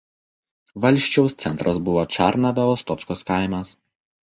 Valsčiaus centras buvo Čarna Bialostockos kaimas.